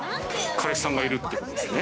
彼氏さんがいるってことですね？